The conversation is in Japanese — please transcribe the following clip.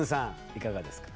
いかがですか？